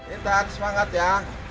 intan semangat ya